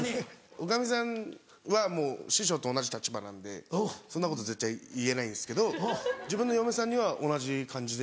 女将さんはもう師匠と同じ立場なんでそんなこと絶対言えないんですけど自分の嫁さんには同じ感じで。